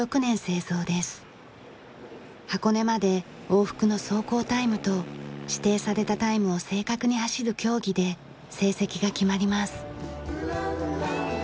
箱根まで往復の走行タイムと指定されたタイムを正確に走る競技で成績が決まります。